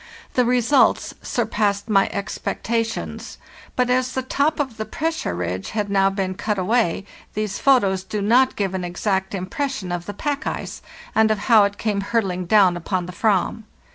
The results surpassed my expectations; but as the top of the pressure ridge had now been cut away, these photos do not give an exact impression of the pack ice, and of how it came hurtling down upon the "vam.